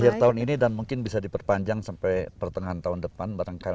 akhir tahun ini dan mungkin bisa diperpanjang sampai pertengahan tahun depan barangkali